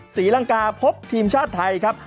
ศรีลังกาพบทีมชาติไทยครับ